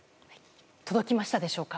届きましたでしょうか？